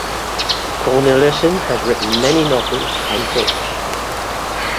Cornelissen has written many novels and books.